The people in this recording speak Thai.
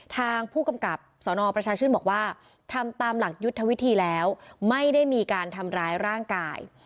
ทางผู้กำกับสนประชาชื่นบอกว่าทำตามหลักยุทธวิธีแล้วไม่ได้มีการทำร้ายร่างกาย